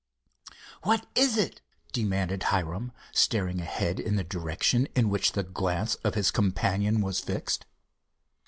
"What is it?" demanded Hiram, staring ahead in the direction in which the glance of his companion was fixed.